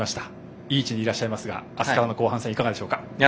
いい位置にいらっしゃいますが明日からの後半戦はどうですか？